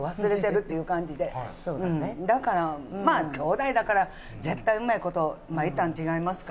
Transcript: だからまあ姉妹だから絶対うまい事まあいったん違いますか？